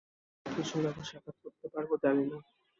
কবে আপনার সঙ্গে আবার সাক্ষাৎ করতে পারব জানি না।